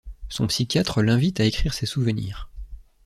Son psychiatre l'invite à écrire ses souvenirs.